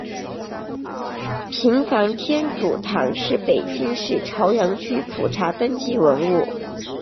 平房天主堂是北京市朝阳区普查登记文物。